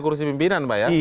kursi pimpinan pak ya